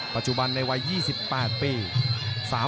ปัจจุบันในวัย๒๘ปี